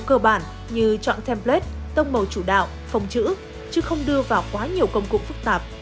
cơ bản như chọn template tông màu chủ đạo phòng chữ chứ không đưa vào quá nhiều công cụ phức tạp